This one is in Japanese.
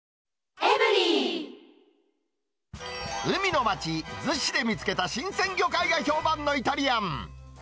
海の町、逗子で見つけた新鮮魚介が評判のイタリアン。